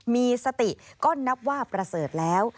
มีสติก็นับว่าประเสริฐแล้ว